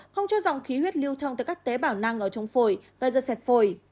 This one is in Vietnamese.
không cho dòng khí huyết lưu thông từ các tế bảo năng ở trong phổi gây ra xẹp phổi